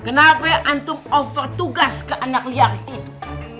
kenapa antum offer tugas ke anak liaris itu